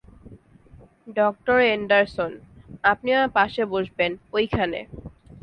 ডঃ Anderson, আপনি আমার পাশে বসবেন, ওইখানে।